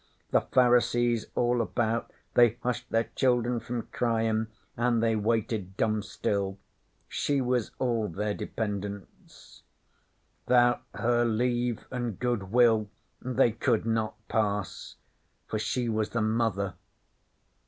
The Pharisees all about they hushed their children from cryin' an' they waited dumb still. She was all their dependence. 'Thout her Leave an' Good will they could not pass; for she was the Mother.